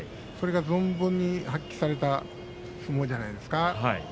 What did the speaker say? それが存分に発揮された相撲じゃないですか。